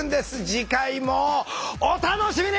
次回もお楽しみに！